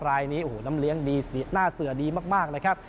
รายนี้น้ำเลี้ยงดีหน้าเสือดีมากนะครับ